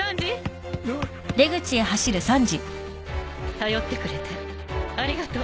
頼ってくれてありがとう。